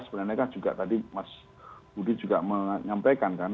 sebenarnya kan juga tadi mas budi juga menyampaikan kan